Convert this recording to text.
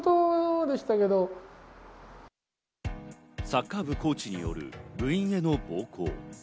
サッカー部コーチによる部員への暴行。